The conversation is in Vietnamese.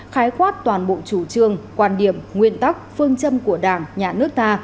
khái quát toàn bộ chủ trương quan điểm nguyên tắc phương châm của đảng nhà nước ta